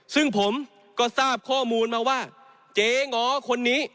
ซึ่งผมก็ทราบข้อมูลมาว่าเจ๊ง้อคนนี้